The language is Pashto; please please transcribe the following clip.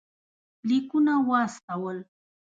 لیکونه واستول.